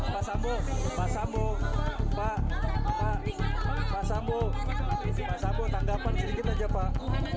pak sambu pak sambu pak sambu pak sambu pak sambu pak sambu tanggapan sedikit aja pak